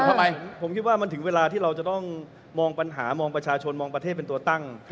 ทำไมผมคิดว่ามันถึงเวลาที่เราจะต้องมองปัญหามองประชาชนมองประเทศเป็นตัวตั้ง